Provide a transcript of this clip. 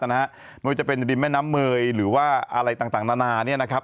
ไม่ว่าจะเป็นริมแม่น้ำเมยหรือว่าอะไรต่างนานา